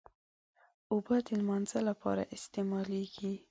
اوبه د لمانځه لپاره استعمالېږي.